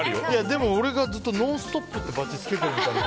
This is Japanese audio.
でも俺がずっと「ノンストップ！」っていうバッジつけてるみたいな。